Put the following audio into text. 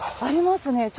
ありますね。